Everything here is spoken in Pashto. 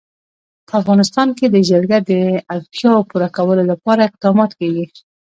په افغانستان کې د جلګه د اړتیاوو پوره کولو لپاره اقدامات کېږي.